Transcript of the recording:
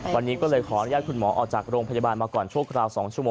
วันนี้ก็เลยขออนุญาตคุณหมอออกจากโรงพยาบาลมาก่อนชั่วคราว๒ชัว